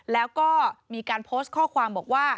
แล้วก็มีการโพสต์ข้อความบอกว่า